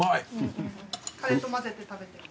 カレーと混ぜて食べても。